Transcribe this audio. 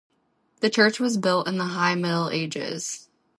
The church was built in the High Middle Ages.